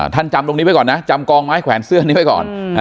จำตรงนี้ไว้ก่อนนะจำกองไม้แขวนเสื้อนี้ไว้ก่อน